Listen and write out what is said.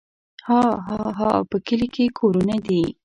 هاهاها په کلي کې کورونه وي.